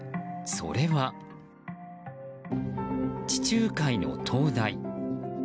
それは、地中海の灯台。